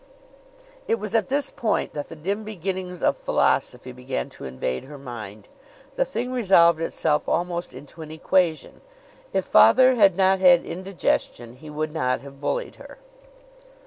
It was at this point that the dim beginnings of philosophy began to invade her mind. The thing resolved itself almost into an equation. If father had not had indigestion he would not have bullied her.